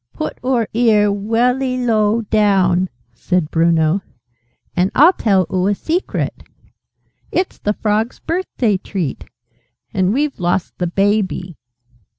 "Put oor ear welly low down," said Bruno, "and I'll tell oo a secret! It's the Frogs' Birthday Treat and we've lost the Baby!"